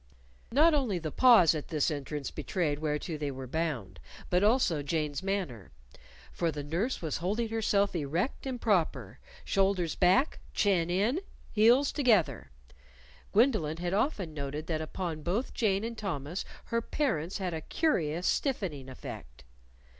Not only the pause at this entrance betrayed whereto they were bound, but also Jane's manner. For the nurse was holding herself erect and proper shoulders back, chin in, heels together. Gwendolyn had often noted that upon both Jane and Thomas her parents had a curious stiffening effect.